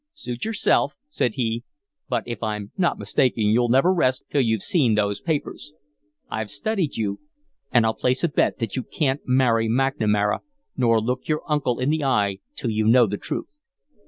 "Suit yourself," said he, "but if I'm not mistaken, you'll never rest till you've seen those papers. I've studied you, and I'll place a bet that you can't marry McNamara nor look your uncle in the eye till you know the truth.